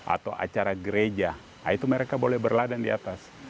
atau acara gereja nah itu mereka boleh berladang di atas